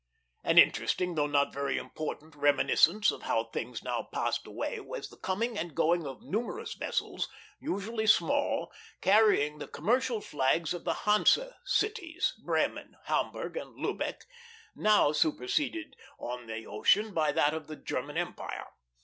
An interesting, though not very important, reminiscence of things now passed away was the coming and going of numerous vessels, usually small, carrying the commercial flags of the Hanse cities, Bremen, Hamburg, and Lubeck, now superseded on the ocean by that of the German Empire.